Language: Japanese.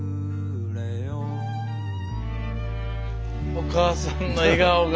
お母さんの笑顔が。